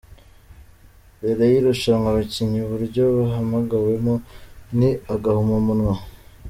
Mbere y’irushanwa abakinnyi uburyo bahamagawemo ni agahomamunwa.